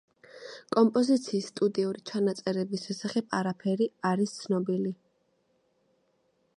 კომპოზიციის სტუდიური ჩანაწერების შესახებ არაფერი არის ცნობილი.